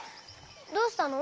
どうしたの？